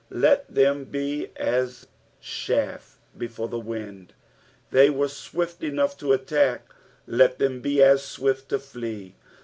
Let them be at ehajf hrfore the wind. " They were swift enough to attack, let them be as swift to flee.